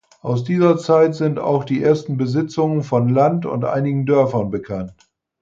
Aus dieser Zeit sind auch die ersten Besitzungen von Land und einigen Dörfern bekannt.